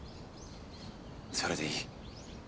それでいい。